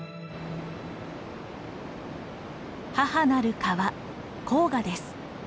母なる河黄河です。